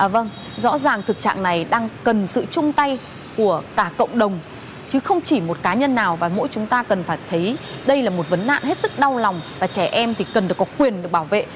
vâng rõ ràng thực trạng này đang cần sự chung tay của cả cộng đồng chứ không chỉ một cá nhân nào và mỗi chúng ta cần phải thấy đây là một vấn nạn hết sức đau lòng và trẻ em thì cần được có quyền được bảo vệ